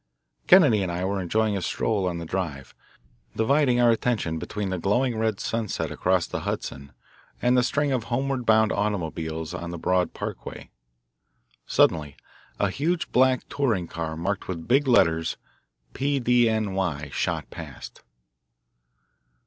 Kennedy and I were enjoying a stroll on the drive, dividing our attention between the glowing red sunset across the Hudson and the string of homeward bound automobiles on the broad parkway. Suddenly a huge black touring car marked with big letters, "P.D.N.Y.," shot past.